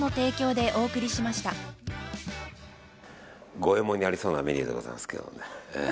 五右衛門にありそうなメニューでございますけど。